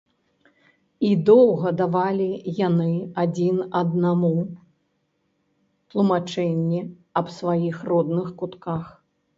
І доўга давалі яны адзін аднаму тлумачэнні аб сваіх родных кутках.